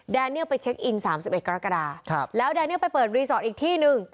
แนเนียลไปเช็คอิน๓๑กรกฎาแล้วแดเนียลไปเปิดรีสอร์ทอีกที่หนึ่ง